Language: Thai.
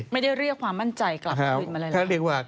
ไม่ได้เรียกความมั่นใจกลับพระวิทธิ์มาเลย